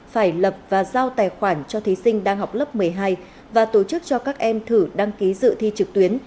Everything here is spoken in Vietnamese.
phải lập và giao tài khoản cho thí sinh đang học lớp một mươi hai và tổ chức cho các em thử đăng ký dự thi trực tuyến